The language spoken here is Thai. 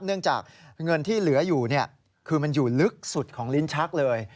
เนื่องจากเงินที่เหลืออยู่คือมันอยู่ลึกสุดของลิ้นชักเลย